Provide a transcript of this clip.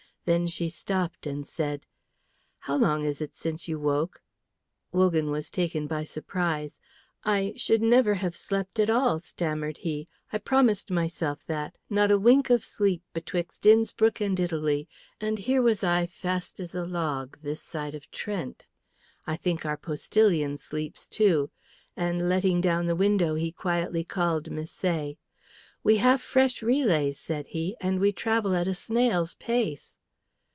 Then she stopped and said, "How long is it since you woke?" Wogan was taken by surprise. "I should never have slept at all," stammered he. "I promised myself that. Not a wink of sleep betwixt Innspruck and Italy; and here was I fast as a log this side of Trent. I think our postillion sleeps too;" and letting down the window he quietly called Misset. "We have fresh relays," said he, "and we travel at a snail's pace."